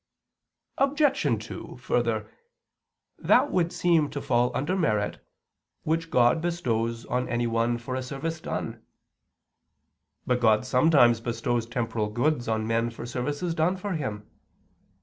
Obj. 2: Further, that would seem to fall under merit, which God bestows on anyone for a service done. But God sometimes bestows temporal goods on men for services done for Him.